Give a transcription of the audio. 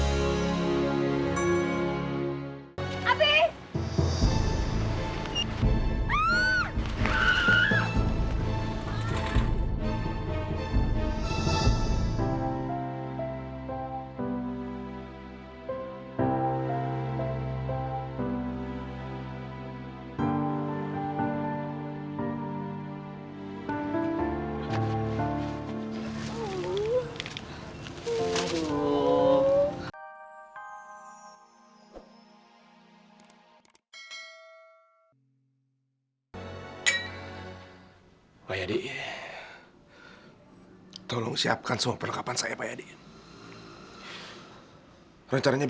sampai jumpa di video selanjutnya